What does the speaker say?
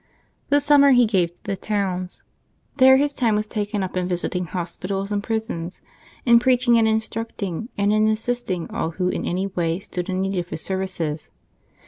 The summer he gave to the towns. There his time was taken up in visiting hospitals and prisons, in preach ing and instructing, and in assisting all who in any way stood in need of his services.